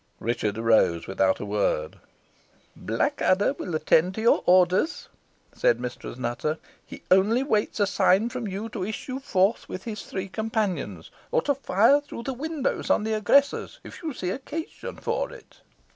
Richard arose without a word. "Blackadder will attend to your orders," said Mistress Nutter; "he only waits a sign from you to issue forth with his three companions, or to fire through the windows upon the aggressors, if you see occasion for it."